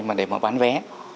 mà để mà bán vé